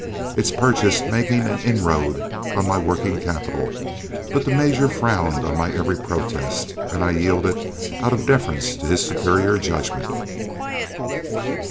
Its purchase was making an inroad on my working capital, but the major frowned on my every protest, and I yielded out of deference to his superior judgment.